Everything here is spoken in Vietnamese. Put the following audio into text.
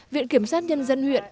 viện kiểm sát nhân dân huyện